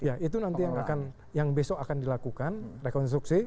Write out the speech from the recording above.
ya itu nanti yang akan yang besok akan dilakukan rekonstruksi